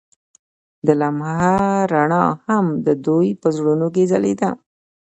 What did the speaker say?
د لمحه رڼا هم د دوی په زړونو کې ځلېده.